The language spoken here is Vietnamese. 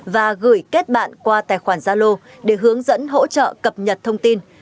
và gửi kết bạn qua tài khoản gia lô để hướng dẫn hỗ trợ cập nhật thông tin